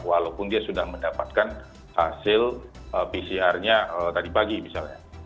walaupun dia sudah mendapatkan hasil pcr nya tadi pagi misalnya